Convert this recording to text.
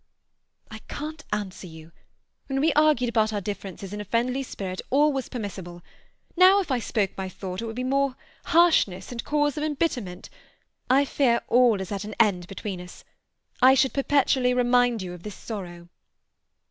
"I can't answer you. When we argued about our differences in a friendly spirit, all was permissible; now if I spoke my thought it would be mere harshness and cause of embitterment. I fear all is at an end between us. I should perpetually remind you of this sorrow."